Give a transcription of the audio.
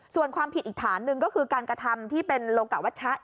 ส่วนความผิดอีกฐานหนึ่งก็คือการกระทำที่เป็นโลกะวัชชะ